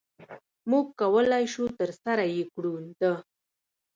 مونږ کولی شو ترسره يي کړو د